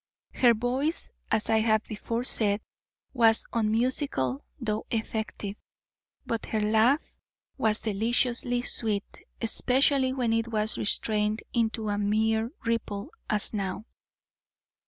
Her voice, as I have before said, was unmusical though effective; but her laugh was deliciously sweet, especially when it was restrained to a mere ripple, as now.